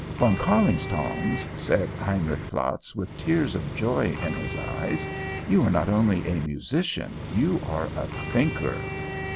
"Von Kärlingtongs," said Heinrich Flatz, with tears of joy in his eyes, "you are not only a musician, you are a thinker."